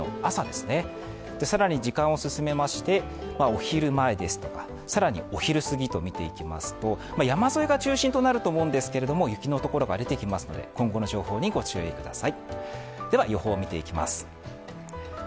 更に時間を進めましてお昼前ですとか更にお昼すぎ見ていきますと、山沿いが中心となると思うんですけども、雪のところが出てきますので、今後の情報にご注意ください。